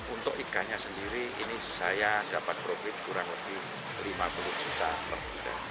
untuk ikannya sendiri ini saya dapat profit kurang lebih lima puluh juta per bulan